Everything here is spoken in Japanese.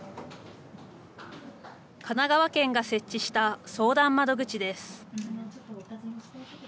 神奈川県が設置した相談窓口です。